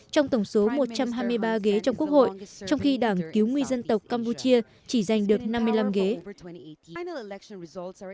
trong tổng số một trăm hai mươi ba ghế trong quốc hội trong khi đảng cứu người dân tộc campuchia chỉ giành được năm mươi năm ghế